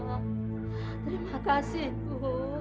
terima kasih bu